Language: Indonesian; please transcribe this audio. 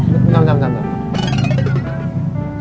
tunggu tunggu tunggu